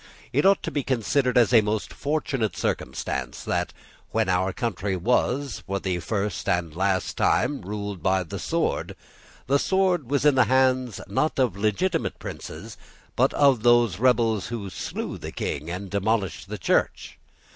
It ought to be considered as a most fortunate circumstance that, when our country was, for the first and last time, ruled by the sword, the sword was in the hands, not of legitimate princes, but of those rebels who slew the King and demolished the Church.